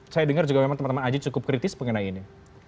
saya dengar juga memang teman teman aji cukup kritis mengenai ini